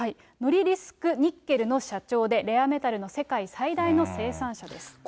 ノリリスク・ニッケルの社長で、レアメタルの世界最大の生産者です。